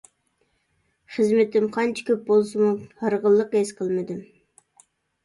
خىزمىتىم قانچە كۆپ بولسىمۇ ھارغىنلىق ھېس قىلمىدىم.